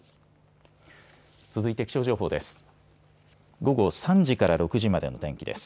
続いて気象情報です。